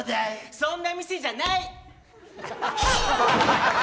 そんな店じゃない！